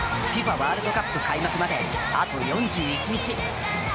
ワールドカップ開幕まで、あと４１日！